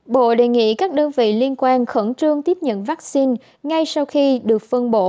bộ đề nghị các đơn vị liên quan khẩn trương tiếp nhận vaccine ngay sau khi được phân bổ